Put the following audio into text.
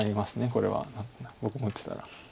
これは僕も打ってたら。